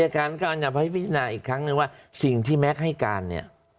การก็อาจจะไปพิจารณาอีกครั้งนึงว่าสิ่งที่แม็กซ์ให้การเนี่ย